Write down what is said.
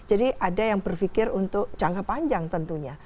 ada yang berpikir untuk jangka panjang tentunya